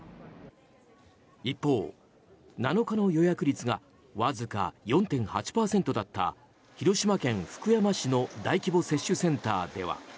一方、７日の予約率がわずか４．８％だった広島県福山市の大規模接種センターでは。